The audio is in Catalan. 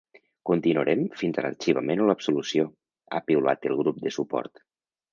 Continuarem fins a l’arxivament o l’absolució, ha piulat el grup de suport.